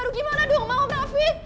lu gimana dong mau rafiq